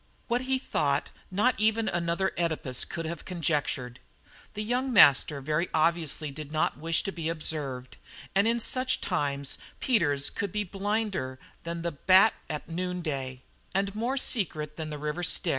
What he thought not even another Oedipus could have conjectured. The young master very obviously did not wish to be observed, and in such times Peters at could be blinder than the bat noon day and more secret than the River Styx.